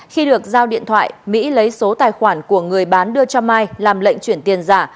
khi được giao điện thoại mỹ lấy số tài khoản của người bán đưa cho mai làm lệnh chuyển tiền giả